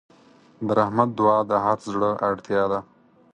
د رحمت دعا د هر زړه اړتیا ده.